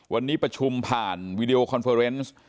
วันนี้ประชุมผ่านวีดีโอคอนเฟอร์เนส